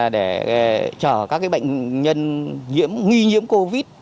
để chở các bệnh nhân nghi nhiễm covid